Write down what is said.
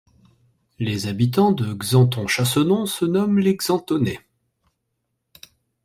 Les habitants de Xanton-Chassenon se nomment les Xantonais.